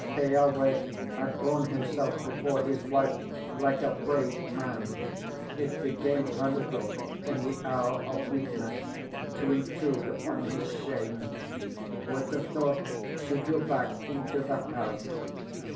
Keawe had borne himself before his wife like a brave man; it became her little in the hour of weakness to intrude upon his shame. With the thought she drew back into the house.